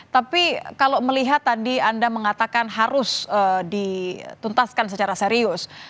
tapi kalau melihat tadi anda mengatakan harus dituntaskan secara serius